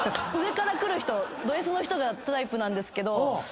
上からくる人ドＳの人がタイプなんですけど。